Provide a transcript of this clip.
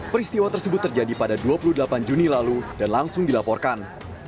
peristiwa tersebut terjadi pada dua puluh delapan juni lalu dan langsung dilaporkan